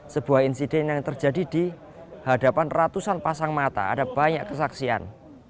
sebuah insiden yang terjadi di hadapan ratusan pasang mata ada banyak kesaksian